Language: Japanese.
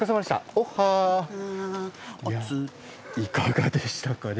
いかがでしたか？